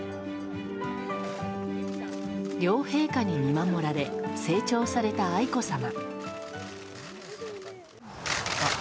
両陛下に見守られ成長された愛子さま。